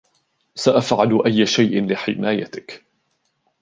سأفعل أيّ شيء لحمايتك.